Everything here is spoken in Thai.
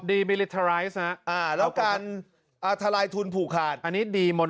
นะฮะอ่าแล้วการอาทารายทุนผูกขาดอันนี้